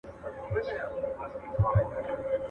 کږه غاړه توره نه خوري.